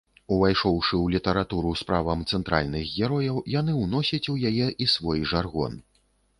Увайшоўшы ў літаратуру з правам цэнтральных герояў, яны ўносяць у яе і свой жаргон.